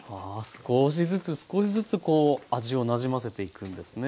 少しずつ少しずつこう味をなじませていくんですね。